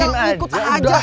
tinggal ikut saja